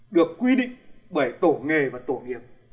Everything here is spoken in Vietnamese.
được quy định bởi tổ nghề và tổ nghiệp